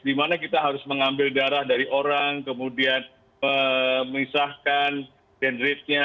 di mana kita harus mengambil darah dari orang kemudian memisahkan dendritnya